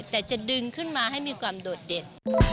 แต่จะดึงขึ้นมาให้มีความโดดเด่น